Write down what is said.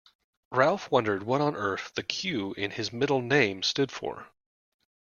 Ralph wondered what on earth the Q in his middle name stood for.